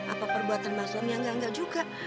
apa perbuatan bang sulam yang nggak nggak juga